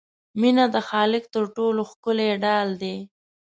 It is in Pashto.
مینه د خالق تر ټولو ښکلی ډال دی.